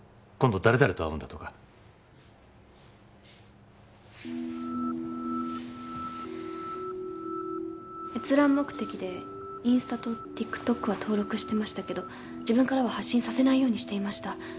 今度誰々と会うんだとか閲覧目的でインスタとＴｉｋＴｏｋは登録してましたけど自分からは発信させないようにしていました